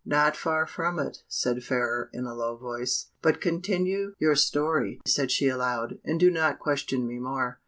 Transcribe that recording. "Not far from it," said Fairer, in a low voice; "but continue your story," said she aloud, "and do not question me more."